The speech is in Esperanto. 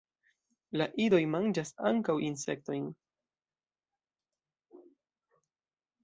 La idoj manĝas ankaŭ insektojn.